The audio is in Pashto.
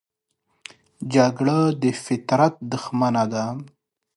جګړه د فطرت دښمنه ده